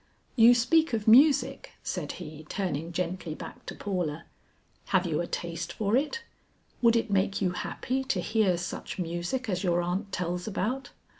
"You speak of music," said he, turning gently back to Paula. "Have you a taste for it? Would it make you happy to hear such music as your aunt tells about?"